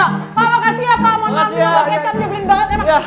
kecap jubelin banget